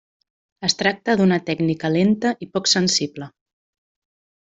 Es tracta d'una tècnica lenta i poc sensible.